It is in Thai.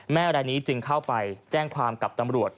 รายนี้จึงเข้าไปแจ้งความกับตำรวจ